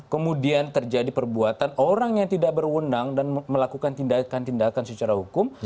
kemudian terjadi perbuatan orang yang tidak berwenang dan melakukan tindakan tindakan secara hukum